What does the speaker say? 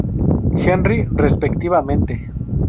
Henry", respectivamente.